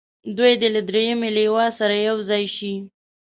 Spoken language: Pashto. دوی دې له دریمې لواء سره یو ځای شي.